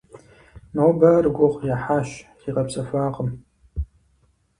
Нобэ ар гугъу ехьащ, зигъэпсэхуакъым.